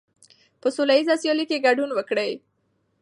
په سوله ییزه سیالۍ کې ګډون وکړئ.